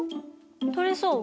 とれそう？